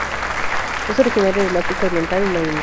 Es originario del África oriental y la India.